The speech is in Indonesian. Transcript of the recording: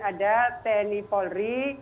ada tni polri